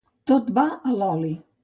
Tot va a l'oli.